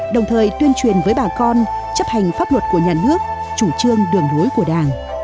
đồng thời tuyên truyền với bà con chấp hành pháp luật của nhà nước chủ trương đường lối của đảng